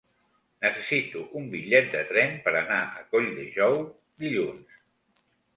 Necessito un bitllet de tren per anar a Colldejou dilluns.